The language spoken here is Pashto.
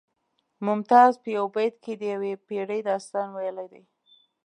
ممتاز په یو بیت کې د یوې پیړۍ داستان ویلی دی